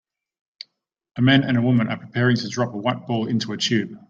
A man and a woman are preparing to drop a white ball into a tube.